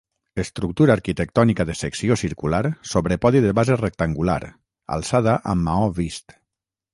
Estructura arquitectònica de secció circular sobre podi de base rectangular, alçada amb maó vist.